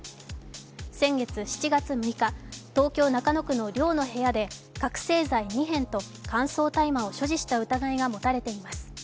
先月、７月６日、東京・中野区の寮の部屋で覚醒剤２片と乾燥大麻を所持した疑いが持たれています。